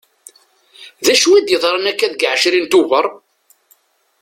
D acu i d-yeḍran akka deg ɛecrin tuḅer?